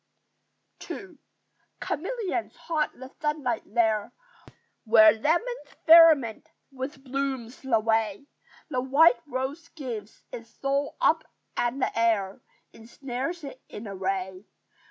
II Chameleons haunt the sunlight there, Where lemons firmament with blooms the way: The white rose gives its soul up and the air Ensnares it in a ray.